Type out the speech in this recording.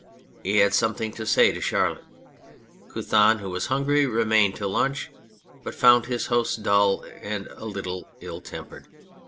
He had something to say to Charlotte. Couthon, who was hungry, remained to lunch, but he found his hosts dull and a little ill tempered.